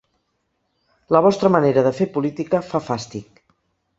La vostra manera de fer política fa fàstic